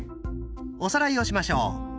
おさらいをしましょう。